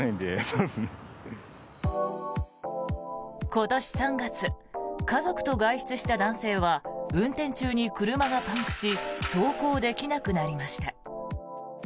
今年３月家族と外出した男性は運転中に車がパンクし走行できなくなりました。